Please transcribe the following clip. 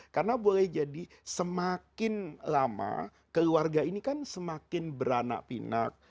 karena boleh jadi semakin lama keluarga ini kan semakin beranak pinak